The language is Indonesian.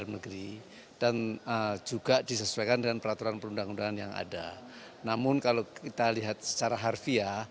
sebagai plt gubernur sumatera utara